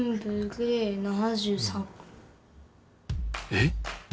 えっ！